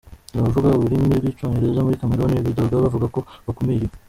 Abavuga ururimi rw'icongereza muri Cameroun bidoga bavuga ko bakumiriwe.